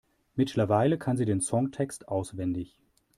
Mittlerweile kann sie den Songtext auswendig.